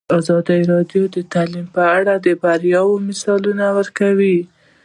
ازادي راډیو د تعلیم په اړه د بریاوو مثالونه ورکړي.